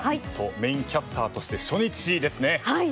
メインキャスターとして初日ですね。